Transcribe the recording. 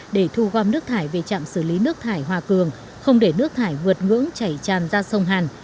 để thu gom nước thải về trạm xử lý nước thải hòa cường không để nước thải vượt ngưỡng chảy tràn ra sông hàn